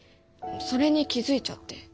それに気付いちゃって。